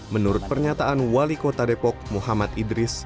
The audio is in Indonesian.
menurut pernyataan wali kota depok muhammad idris